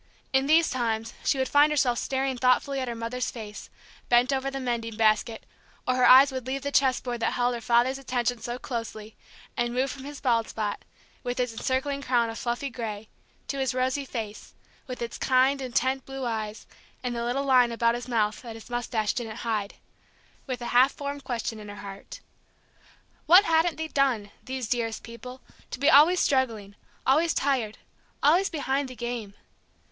In these times she would find herself staring thoughtfully at her mother's face, bent over the mending basket, or her eyes would leave the chessboard that held her father's attention so closely, and move from his bald spot, with its encircling crown of fluffy gray, to his rosy face, with its kind, intent blue eyes and the little lines about his mouth that his moustache didn't hide, with a half formed question in her heart. What hadn't they done, these dearest people, to be always struggling, always tired, always "behind the game"?